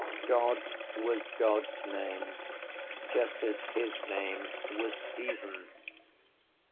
God was God’s name just as his name was Stephen.